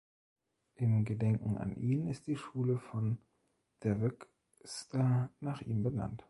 Im Gedenken an ihn ist die Schule von Devecser nach ihm benannt.